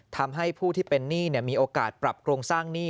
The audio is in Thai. ทำให้ผู้ที่เป็นหนี้มีโอกาสปรับโครงสร้างหนี้